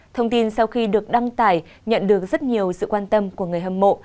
thông tin sau khi được đăng tải nhận được rất nhiều sự quan tâm của người hâm mộ